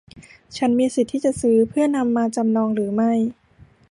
ฉันมีสิทธิ์ที่จะซื้อเพื่อนำมาจำนองหรือไม่